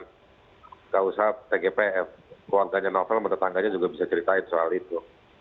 tidak usah tgpf keluarganya novel sama tetangganya juga bisa ceritain soal itu